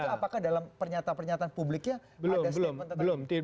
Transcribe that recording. apakah dalam pernyataan pernyataan publiknya ada statement tentang itu